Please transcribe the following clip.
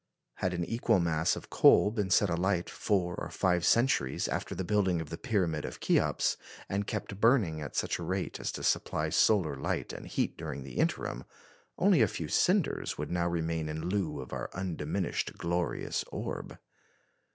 Had an equal mass of coal been set alight four or five centuries after the building of the Pyramid of Cheops, and kept burning at such a rate as to supply solar light and heat during the interim, only a few cinders would now remain in lieu of our undiminished glorious orb.